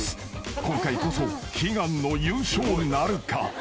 ［今回こそ悲願の優勝なるか？］